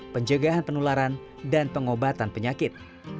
pencegahan penularan dan pengobatan penyakit